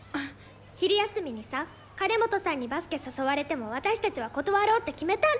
昼休みにさ金本さんにバスケ誘われても私たちは断ろうって決めたんだて。